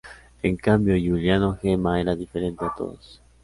En cambio, Giuliano Gemma era diferente a todos.